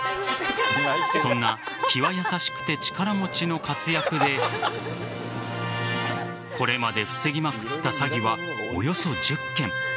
そんな気は優しくて力持ちの活躍でこれまで防ぎまくった詐欺はおよそ１０件。